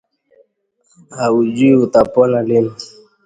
Haujui utapona lini.